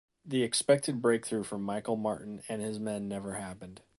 The expected breakthrough from Michael Martin and his men never happened.